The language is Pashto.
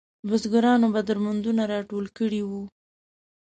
بزګرانو به درمندونه راټول کړي وو.